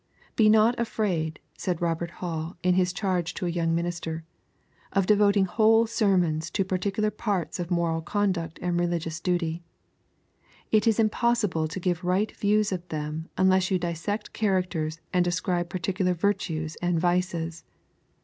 'Be not afraid,' said Robert Hall in his charge to a young minister, 'of devoting whole sermons to particular parts of moral conduct and religious duty. It is impossible to give right views of them unless you dissect characters and describe particular virtues and vices.